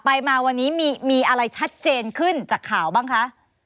ไปมาวันนี้มีอะไรชัดเจนขึ้นจากข่าวบ้างคะ